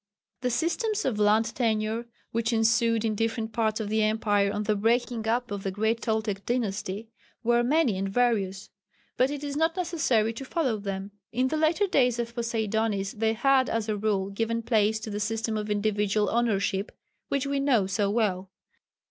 The systems of land tenure which ensued in different parts of the empire on the breaking up of the great Toltec dynasty were many and various. But it is not necessary to follow them. In the later days of Poseidonis they had, as a rule, given place to the system of individual ownership which we know so well.